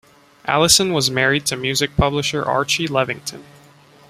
Allison was married to music publisher Archie Levington.